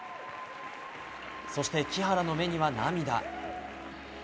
そして、木原の目には涙。